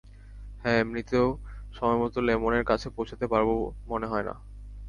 হ্যাঁ, এমনিতেও সময়মতো লেমনের কাছে পৌঁছাতে পারবো মনে হয় না।